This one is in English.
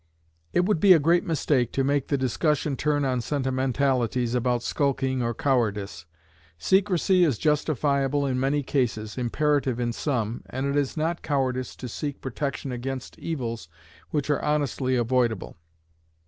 It would be a great mistake to make the discussion turn on sentimentalities about skulking or cowardice. Secrecy is justifiable in many cases, imperative in some, and it is not cowardice to seek protection against evils which are honestly avoidable.